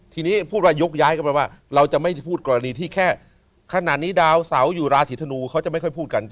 ทีนี้พูดว่ายกย้ายก็แปลว่าเราจะไม่ได้พูดกรณีที่แค่ขนาดนี้ดาวเสาอยู่ราศีธนูเขาจะไม่ค่อยพูดกัน